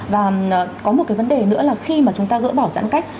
và có một cái vấn đề nữa là khi mà chúng ta gỡ bỏ giãn cách